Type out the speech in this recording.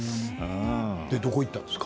それでどこに行ったんですか？